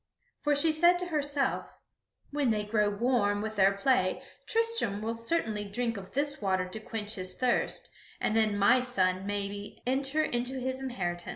For she said to herself: "When they grow warm with their play, Tristram will certainly drink of this water to quench his thirst, and then my son will maybe enter into his inheritance."